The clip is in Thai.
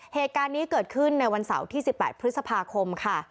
เหตุการณ์นี้เกิดขึ้นในวันเสาร์ที่๑๘พฤษภาคมค่ะ